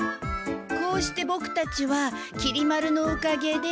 こうしてボクたちはきり丸のおかげで。